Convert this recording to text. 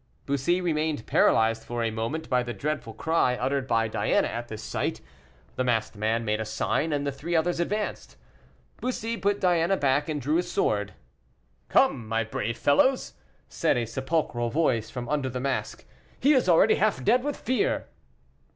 Bussy remained paralyzed for a moment by the dreadful cry uttered by Diana at this sight. The masked man made a sign, and the three others advanced. Bussy put Diana back, and drew his sword. "Come, my brave fellows!" said a sepulchral voice from under the mask; "he is already half dead with fear."